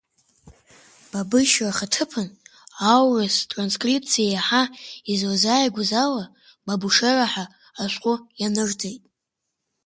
Бабышьра ахаҭыԥан, аурыс транскрипциа еиҳа излазааигәаз ала, Бабушера ҳәа ашәҟәы ианырҵеит.